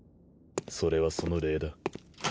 それはその礼だ。